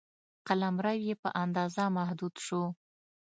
قلمرو یې په اندازه محدود شو.